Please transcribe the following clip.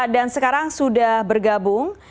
dan sekarang sudah bergabung